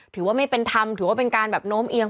ถือว่าไม่เป็นธรรมถือว่าเป็นการแบบโน้มเอียง